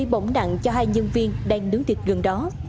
bỏng nặng cho hai nhân viên đang nướng thịt gần đó